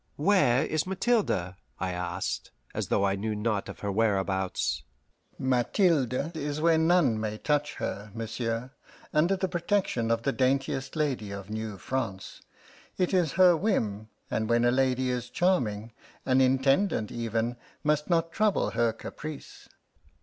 "Where is Mathilde?" I asked, as though I knew naught of her whereabouts. "Mathilde is where none may touch her, monsieur; under the protection of the daintiest lady of New France. It is her whim; and when a lady is charming, an Intendant, even, must not trouble her caprice."